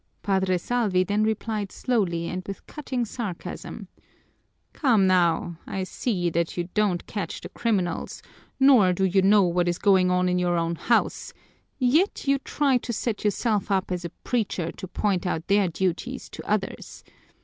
Padre Salvi then replied slowly and with cutting sarcasm: "Come now, I see that you don't catch the criminals nor do you know what is going on in your own house, yet you try to set yourself up as a preacher to point out their duties to others.